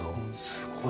すごい。